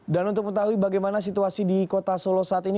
dan untuk mengetahui bagaimana situasi di kota solo saat ini